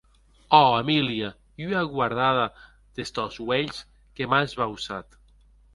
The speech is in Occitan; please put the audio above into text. Ò, Emilia!, ua guardada des tòns uelhs que m’a esbauçat.